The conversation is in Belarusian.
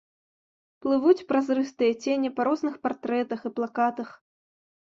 Плывуць празрыстыя цені па розных партрэтах і плакатах.